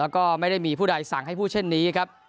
แล้วก็ไม่ได้มีผู้ใดสั่งให้พูดเช่นนี้ครับ